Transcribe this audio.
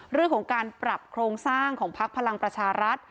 เรื่องของการปรับโครงสร้างของพักพลังประชารัฐ